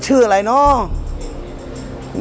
กิเลนพยองครับ